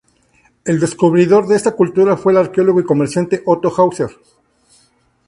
El descubridor de esta cultura fue el arqueólogo y comerciante Otto Hauser.